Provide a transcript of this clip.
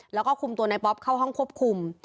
แล้วก็คุมตัวนายป๊อปเข้าห้องควบคุม